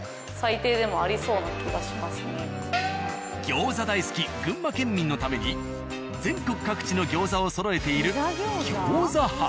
餃子大好き群馬県民のために全国各地の餃子をそろえているよ